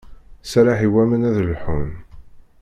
Serreḥ i waman ad lḥun.